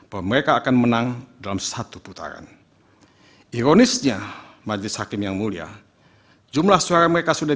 bahwa mereka akan menang dalam satu putaran ironisnya majelis hakim yang mulia jumlah suara mereka sudah